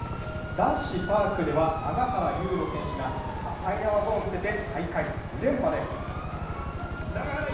男子パークでは、永原悠路選手が多彩な技を見せて、２連覇です。